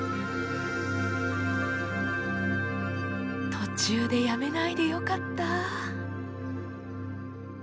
途中でやめないでよかった！